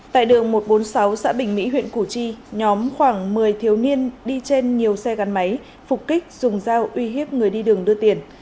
tại đường một trăm bốn mươi sáu xã bình mỹ huyện củ chi nhóm khoảng một mươi thiếu niên đi trên nhiều xe gắn máy phục kích dùng dao uy hiếp người đi đường đưa tiền